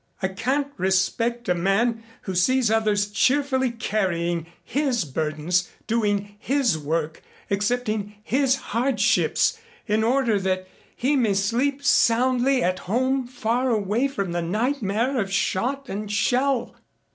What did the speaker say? I can't respect a man who sees others cheerfully carrying his burdens, doing his work, accepting his hardships in order that he may sleep soundly at home far away from the nightmare of shot and shell.